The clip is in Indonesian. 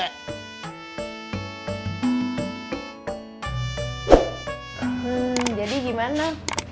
hmm jadi gimana